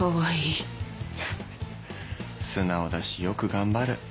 素直だしよく頑張る。